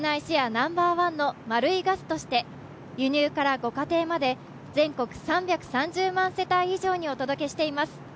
ナンバーワンのマルイガスとして、輸入からご家庭まで全国３３０万世帯にお届けしています。